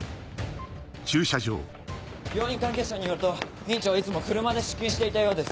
病院関係者によると院長はいつも車で出勤していたようです。